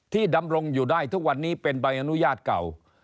ดำรงอยู่ได้ทุกวันนี้เป็นใบอนุญาตเก่า